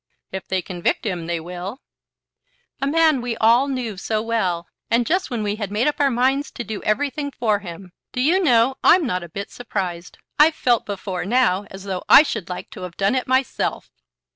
"If they convict him, they will." "A man we all knew so well! And just when we had made up our minds to do everything for him. Do you know I'm not a bit surprised. I've felt before now as though I should like to have done it myself."